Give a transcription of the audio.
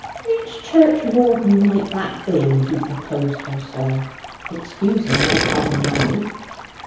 "Which churchwarden might that be who proposed her, sir? excusing my common way."